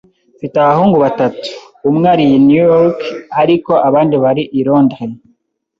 Mfite abahungu batatu. Umwe ari i New York, ariko abandi bari i Londres.